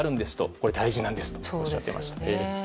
これは大事なんですとおっしゃっていました。